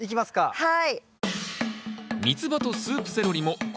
はい。